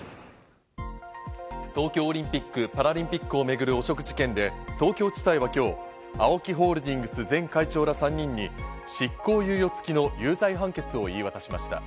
東京オリンピック・パラリンピックを巡る汚職事件で、東京地裁は今日、ＡＯＫＩホールディングス前会長ら３人に執行猶予付きの有罪判決を言い渡しました。